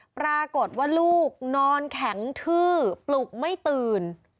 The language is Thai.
ปรากฏว่าลูกนอนแข็งทื้อปลุกไม่ตื่น